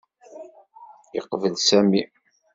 Yeqbel Sami.